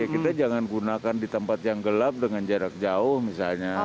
ya kita jangan gunakan di tempat yang gelap dengan jarak jauh misalnya